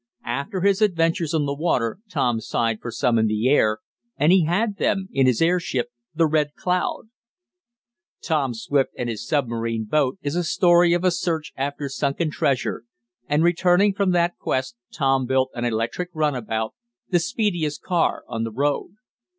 After his adventures on the water Tom sighed for some in the air, and he had them in his airship the Red Cloud. "Tom Swift and His Submarine Boat." is a story of a search after sunken treasure, and, returning from that quest Tom built an electric runabout, the speediest car on the road.